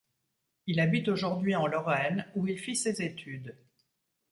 Il habite aujourd'hui en Lorraine où il fit ses études.